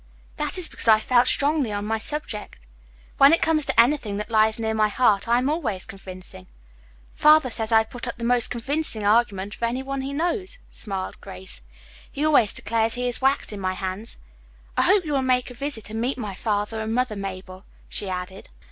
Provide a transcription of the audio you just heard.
"That is because I felt strongly on my subject. When it comes to anything that lies near my heart I am always convincing. Father says I put up the most convincing argument of any one he knows," smiled Grace. "He always declares he is wax in my hands. I hope you will make me a visit and meet my father and mother, Mabel," she added.